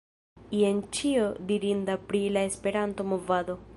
Jen ĉio dirinda pri "La Esperanto-Movado."